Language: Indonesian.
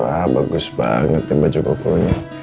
wah bagus banget baju pokoknya